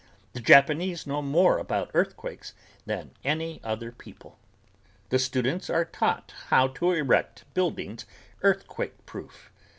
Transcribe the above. The Japanese know more about earthquakes than any other people. The students are taught how to erect buildings earthquakeproof.